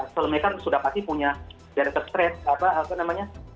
soalnya mereka sudah pasti punya director straight apa apa namanya